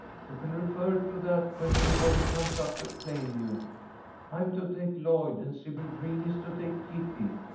You can refer to that when anybody comes up to claim you. I'm to take Lloyd, and Sybil Green is to take Kitty.